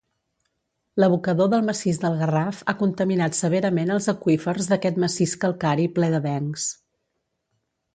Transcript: L'abocador del massís del Garraf ha contaminat severament els aqüífers d'aquest massís calcari ple d'avencs.